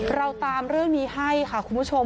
เราตามเรื่องนี้ให้ค่ะคุณผู้ชม